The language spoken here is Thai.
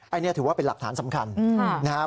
อันนี้ถือว่าเป็นหลักฐานสำคัญนะครับ